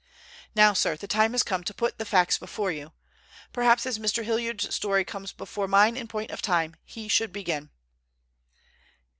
Now, sir, the time has come to put the facts before you. Perhaps as Mr. Hilliard's story comes before mine in point of time, he should begin."